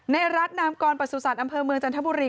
ในรัฐนามกรประสุทธิ์อำเภอเมืองจันทบุรี